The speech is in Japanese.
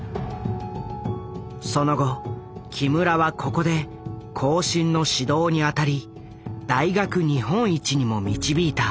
その後木村はここで後進の指導に当たり大学日本一にも導いた。